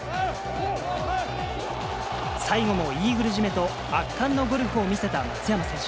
最後もイーグル締めと、圧巻のゴルフを見せた松山選手。